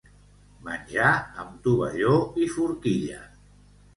Menjar amb tovalló i forquilla.